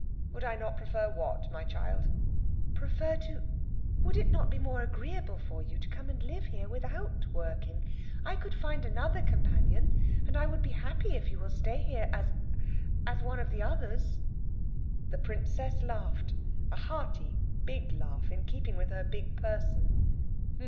"Would I not prefer what, my child?" "Prefer to would it not be more agreeable for you to come and live here without working? I could find another companion, and I would be happy if you will stay here as as one of the others." The princess laughed; a hearty, big laugh in keeping with her big person.